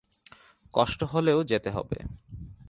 কষ্ট হলেও যেতে হবে।